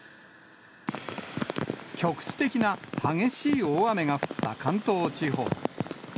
局地的な激しい大雨が降った関東地方。